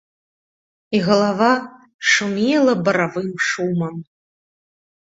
І галава шумела баравым шумам.